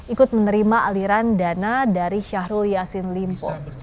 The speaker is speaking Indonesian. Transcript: ikut menerima aliran dana dari syahrul yassin limpo